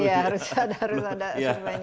iya harus ada sebagainya